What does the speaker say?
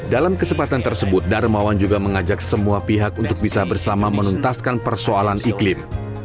dalam kesempatan tersebut darmawan juga mengajak semua pihak untuk bisa bersama menuntaskan persoalan iklim